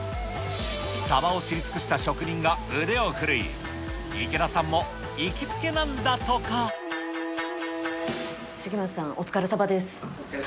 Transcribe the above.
サバを知り尽くした職人が腕を振るい、池田さんも行きつけなんだ重松さん、お疲れサバです。